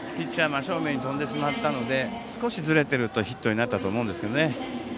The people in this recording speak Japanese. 真正面に飛んでしまったので少しずれているとヒットになったと思うんですけど。